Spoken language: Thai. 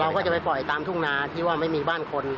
ก็จะไปปล่อยตามทุ่งนาที่ว่าไม่มีบ้านคน